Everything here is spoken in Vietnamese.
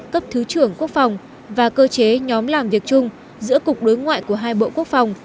cấp thứ trưởng quốc phòng và cơ chế nhóm làm việc chung giữa cục đối ngoại của hai bộ quốc phòng